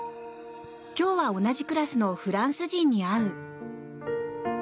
今日は同じクラスのフランス人に会う。